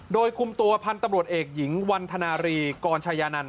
โดยคุมตัวพันธุ์ตำรวจเอกหญิงวันธนารีกรชายานันต